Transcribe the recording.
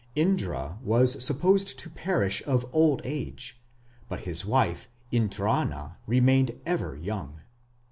Indra was supposed to perish of old age, but his wife, Indrani, remained ever young.